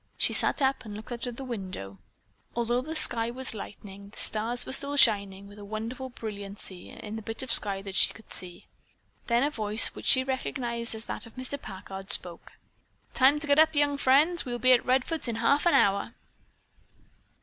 She sat up and looked out of the window. Although the sky was lightening, the stars were still shining with a wonderful brilliancy in the bit of sky that she could see. Then a voice, which she recognized as that of Mr. Packard, spoke. "Time to get up, young friends. We'll be at Redfords in half an hour."